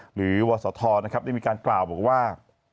หรือวสทธรนะครับได้มีการกล่าวบอกว่า